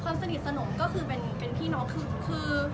สนิทสนมก็คือเป็นพี่น้องคือ